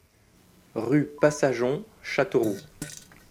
Rue Passageon, Châteauroux